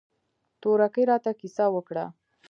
تورکي راته کيسه وکړه.